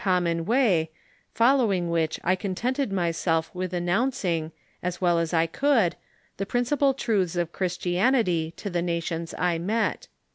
common way, following which I contented myself with an nouncing, as well as I could, the principal truths of Christi anity to the nations I met.